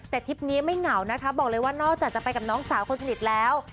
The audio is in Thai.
แต่ทริปนี้ไม่เหงานะคะบอกเลยว่านอกจากจะไปกับน้องสาวคนสนิทแล้ว